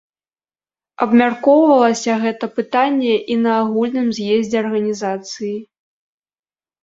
Абмяркоўвалася гэта пытанне і на агульным з'ездзе арганізацыі.